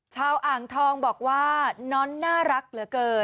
อ่างทองบอกว่าน้อนน่ารักเหลือเกิน